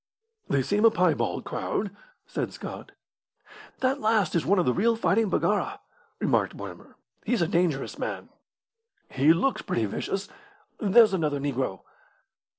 "They seem a piebald crowd," said Scott. "That last is one of the real fighting Baggara," remarked Mortimer. "He's a dangerous man." "He looks pretty vicious. There's another negro!"